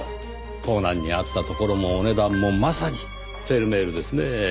盗難に遭ったところもお値段もまさにフェルメールですねぇ。